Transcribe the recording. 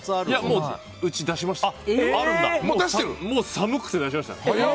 うち、もう寒くて出しましたよ。